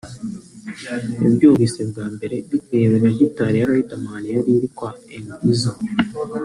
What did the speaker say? yabyumvise bwa mbere bitewe na Gitari ya Riderman yari iri kwa M Izzo